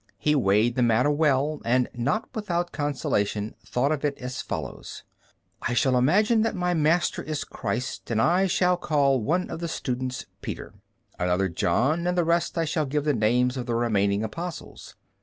He weighed the matter well, and not without consolation thought of it as follows: "I shall imagine that my master is Christ, and I shall call one of the students Peter, another John, and to the rest I shall give the names of the remaining Apostles.